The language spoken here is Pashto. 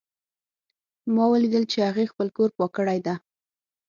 ما ولیدل چې هغې خپل کور پاک کړی ده